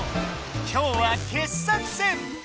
今日は傑作選！